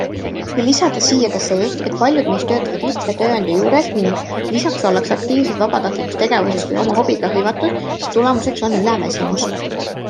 Kui lisada siia ka see, et paljud meist töötavad mitme tööandja juures ning lisaks ollakse aktiivsed vabatahtlikus tegevuses või oma hobiga hõivatud, siis tulemuseks on üleväsimus.